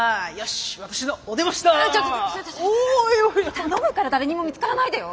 頼むから誰にも見つからないでよ。